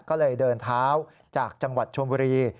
ก็เลยเดินเท้าจากจังหวัดชมบุรี